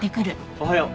おはよう。